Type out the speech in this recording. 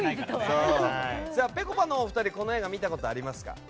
ぺこぱのお二人この映画見たことありますか？